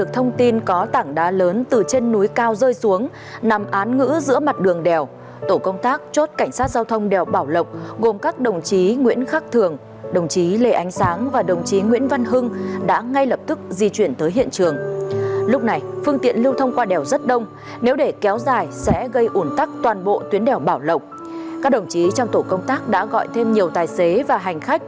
tổ công tác chốt cảnh sát giao thông đèo bảo lộc